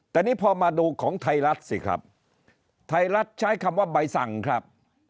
แต่นี่พอมาดูของไทยรัฐสิครับไทยรัฐใช้คำว่าใบสั่งครับ